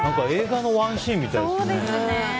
映画のワンシーンみたいですね。